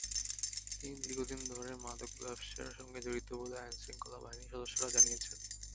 তিনি দীর্ঘদিন ধরে মাদক ব্যবসার সঙ্গে জড়িত বলে আইনশৃঙ্খলা বাহিনীর সদস্যরা জানিয়েছেন।